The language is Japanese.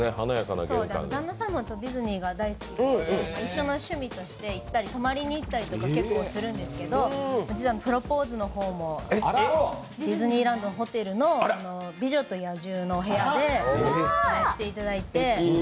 旦那さんもディズニーが大好きで、一緒に行ったり、泊まりに行ったりするんですけどプロポーズもディズニーランドのホテルの「美女と野獣」の部屋でしていただいて。